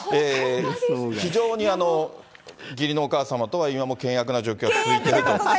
非常に義理のお母様とは、今も険悪な状況が続いていると聞いています。